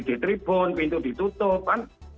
di tribun pintu ditutup kan